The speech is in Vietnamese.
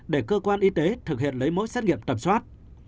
để cơ quan y tế thực hiện lấy mỗi xét nghiệm tập soát